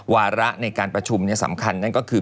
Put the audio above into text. วาระในการประชุมสำคัญนั่นก็คือ